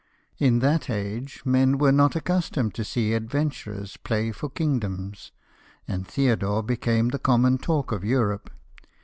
In that age men were not accustomed to see adventurers play for kingdoms, and Theodore became the common talk of Europe.